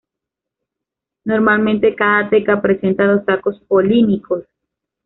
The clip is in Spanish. Normalmente cada teca presenta dos sacos polínicos.